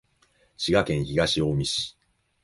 滋賀県東近江市